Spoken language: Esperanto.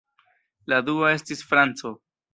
La dua estis franco.